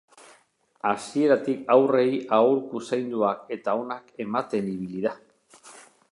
Hasieratik haurrei aholku zainduak eta onak ematen ibili da.